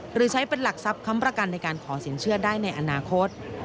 หรือใช้เป็นหลักทรัพย์ค้ำประกันในการขอสินเชื่อได้ในอนาคต